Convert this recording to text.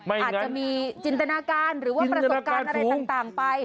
อาจจะมีจินตนาการหรือว่าประสบการณ์อะไรต่างไป